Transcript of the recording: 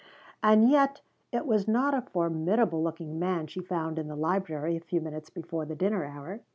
And yet it was not a formidable looking man she found in the library a few minutes before the dinner hour.